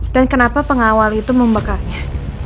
dan kenapa pengawal itu membakarnya